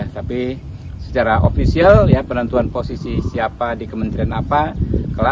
tapi secara ofisial ya penentuan posisi siapa di kementerian apa